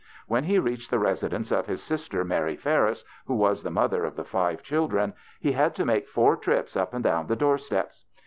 When he reached the resi dence of his sister, Mar}^ Ferris, Avho was the mother of the five children, he had to make four trips up and down the door steps.